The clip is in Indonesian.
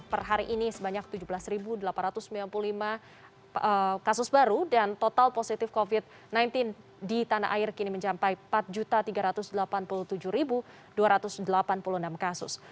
per hari ini sebanyak tujuh belas delapan ratus sembilan puluh lima kasus baru dan total positif covid sembilan belas di tanah air kini mencapai empat tiga ratus delapan puluh tujuh dua ratus delapan puluh enam kasus